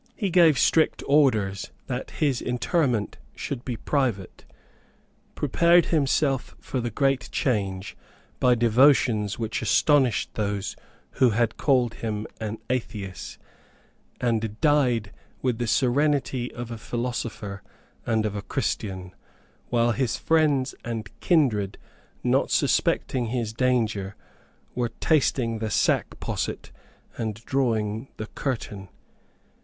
He gave strict orders that his interment should be private, prepared himself for the great change by devotions which astonished those who had called him an atheist, and died with the serenity of a philosopher and of a Christian, while his friends and kindred, not suspecting his danger, were tasting the sack posset and drawing the curtain.